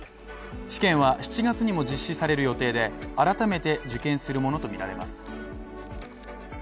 試験は７月にも実施される予定で、改めて受験するものとみられます。